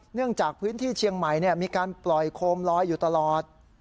เนื่องจากพื้นที่เชียงใหม่มีการปล่อยโคมลอยอยู่ตลอด